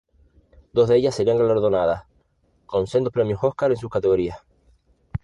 Dos de ellas serían galardonadas con sendos premios Óscar en sus categorías.